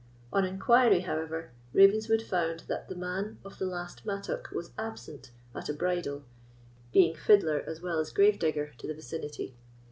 On inquiry, however, Ravenswood found that the man of the last mattock was absent at a bridal, being fiddler as well as grave digger to the vicinity.